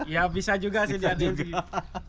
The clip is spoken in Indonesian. ya bisa juga sih